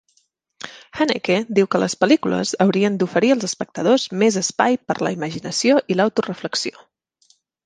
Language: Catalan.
Haneke diu que les pel·lícules haurien d"oferir als espectadors més espai per a la imaginació i l'autoreflexió.